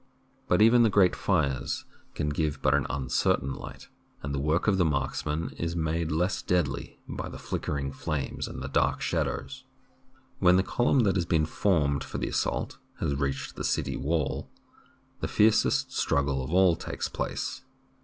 But even the great fires can give but an uncertain light, and the work of the marksmen is made less deadly by the flickering flames and the dark shadows. When the column that has been formed for the assault has reached the city wall, the fiercest strug gle of all takes place.